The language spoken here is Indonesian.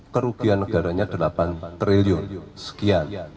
kerugian negaranya delapan triliun sekian